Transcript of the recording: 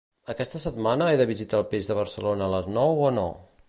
Aquesta setmana he de visitar el pis de Barcelona a les nou o no?